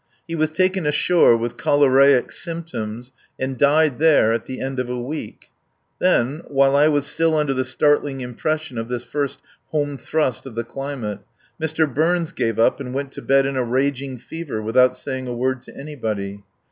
He was taken ashore (with choleric symptoms) and died there at the end of a week. Then, while I was still under the startling impression of this first home thrust of the climate, Mr. Burns gave up and went to bed in a raging fever without saying a word to anybody.